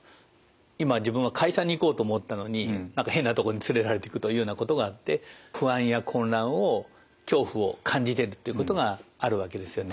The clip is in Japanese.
今自分は会社に行こうと思ったのに何か変なとこに連れられていくというようなことがあって不安や混乱を恐怖を感じてるってことがあるわけですよね。